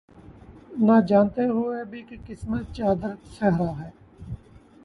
یہ جانتے ہوئے بھی، کہ قسمت میں چادر صحرا ہے